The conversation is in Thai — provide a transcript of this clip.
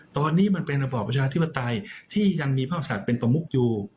ตอนนี้มันเป็นระบอบประชาธิปไตยที่ยังมีภาพศาสตร์เป็นประมุกอยู่